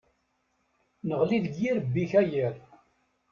Neɣli deg yirrebi-k a yiḍ.